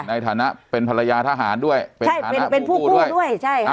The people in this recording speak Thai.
ในฐานะเป็นภรรยาทหารด้วยใช่เป็นฐานะผู้คู่ด้วยใช่ค่ะ